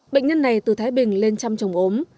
bệnh nhân này từ thái bình lên trăm trồng ốm